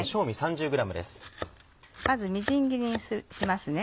まずみじん切りにしますね。